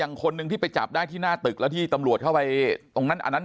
อย่างคนหนึ่งที่ไปจับได้ที่หน้าตึกแล้วที่ตำรวจเข้าไปตรงนั้น